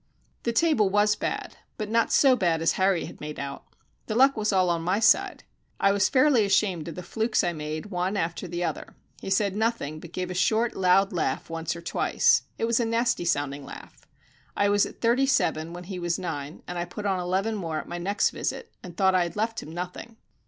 The table was bad, but not so bad as Harry had made out. The luck was all my side. I was fairly ashamed of the flukes I made, one after the other. He said nothing, but gave a short, loud laugh once or twice it was a nasty sounding laugh. I was at thirty seven when he was nine, and I put on eleven more at my next visit and thought I had left him nothing.